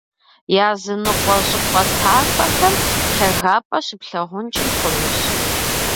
Языныкъуэ щӀыпӀэ тафэхэм лъагапӀэ щыплъагъункӀи хъунущ.